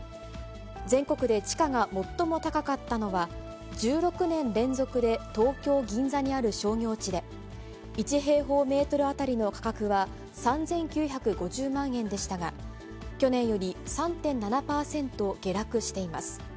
全国で地価が最も高かったのは、１６年連続で東京・銀座にある商業地で、１平方メートル当たりの価格は３９５０万円でしたが、去年より３．７％下落しています。